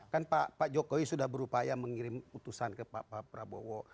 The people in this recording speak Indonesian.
kan pak jokowi sudah berupaya mengirim utusan ke pak prabowo